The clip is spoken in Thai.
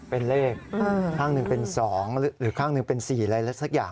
เป็นเลขข้างหนึ่งเป็น๒หรือข้างหนึ่งเป็น๔อะไรสักอย่าง